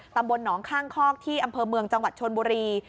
ตำบลหนองข้างคอกที่อำเภอเมืองจังหวัดชนบุรี